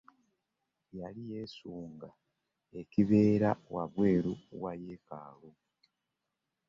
Yali yesunga ekibeera wabweru wa yekaalu .